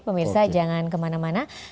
pemirsa jangan kemana mana